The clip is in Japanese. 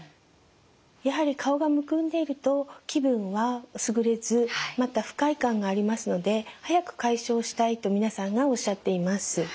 やはり顔がむくんでいると気分はすぐれずまた不快感がありますので早く解消したいと皆さんがおっしゃっています。